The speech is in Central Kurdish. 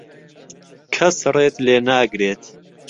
کەس ڕێت لێ ناگرێت.